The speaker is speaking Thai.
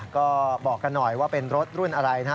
ก็บอกกันหน่อยว่าเป็นรถรุ่นอะไรนะ